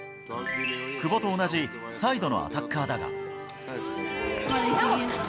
久保と同じサイドのアタッカーだが。